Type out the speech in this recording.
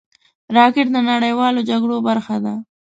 راکټ د نړیوالو جګړو برخه ده